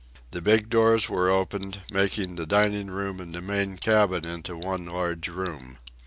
The big doors were opened, making the dining room and the main cabin into one large room.